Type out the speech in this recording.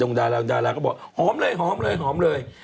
ดรงดาราก็บอกหอมเลย